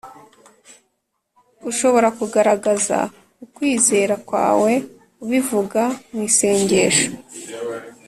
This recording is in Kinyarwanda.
ushobora kugaragaza ukwizera kwawe ubivuga mu isengesho